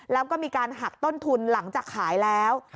แล้วก็มีการหักต้นทุนหลังจากขายแล้ว